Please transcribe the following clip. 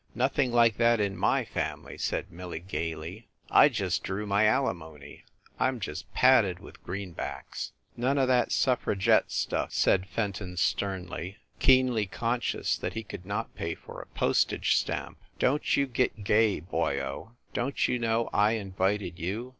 "Nothing like that in my family," said Millie gayly. "I just drew my alimony. I m just padded with greenbacks." "None of that suffragette stuff!" said Fenton sternly, keenly conscious that he could not pay for a postage stamp. "Don t you get gay, boyo ! Don t you know I in vited you?